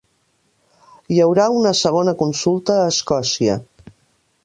Hi haurà una segona consulta a Escòcia